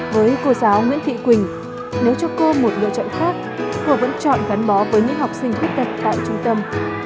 với cô giáo nguyễn thị quỳnh nếu cho cô một lựa chọn khác cô vẫn chọn gắn bó với những học sinh khuyết tật tại trung tâm